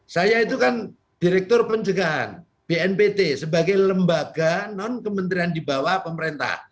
saya itu kan direktur pencegahan bnpt sebagai lembaga non kementerian di bawah pemerintah